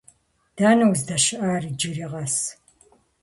Дэнэ уздэщыӏар иджыри къэс?